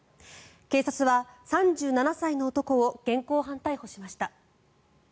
警察は、３７歳の男を現行犯逮捕しました。